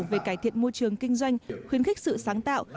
về cải thiện môi trường kinh doanh khuyến khích sự sáng tạo